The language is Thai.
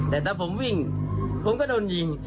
แต่ถ้าผมวิ่งผมก็โดนยิง